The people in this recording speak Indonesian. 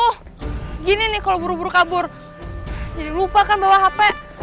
tuh ginin nih kalau buru buru kabur jadinya lupakan bawa hp